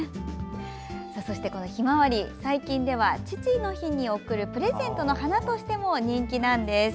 ひまわり、最近では父の日に贈るプレゼントの花としても人気です。